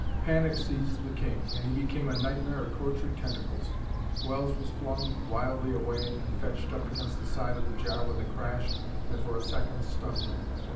Panic seized the king, and he became a nightmare of tortured tentacles. Wells was flung wildly away and fetched up against the side of the jar with a crash that for a second stunned him.